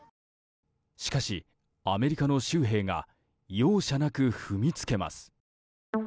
しかし、アメリカの州兵が容赦なく踏みつけます。